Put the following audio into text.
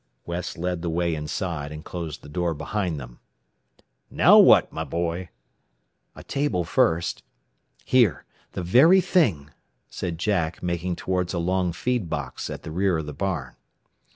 West led the way inside, and closed the door behind them. "Now what, my boy?" "A table first. Here, the very thing," said Jack, making towards a long feed box at the rear of the barn.